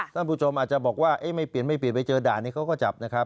ท่านผู้ชมอาจจะบอกว่าไม่เปลี่ยนไม่เปลี่ยนไปเจอด่านนี้เขาก็จับนะครับ